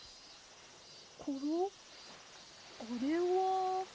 コロあれは？